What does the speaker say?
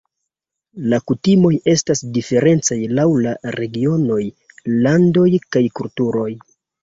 La kutimoj estas diferencaj laŭ la regionoj, landoj kaj kulturoj.